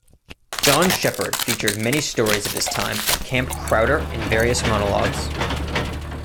Jean Shepherd featured many stories of his time at Camp Crowder in various monologues.